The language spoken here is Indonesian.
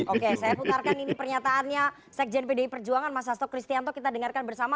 oke saya putarkan ini pernyataannya sekjen pdi perjuangan mas hasto kristianto kita dengarkan bersama